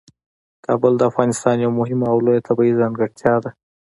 کابل د افغانستان یوه مهمه او لویه طبیعي ځانګړتیا ده.